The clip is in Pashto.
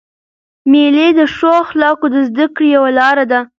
مېلې د ښو اخلاقو د زدهکړي یوه لاره ده.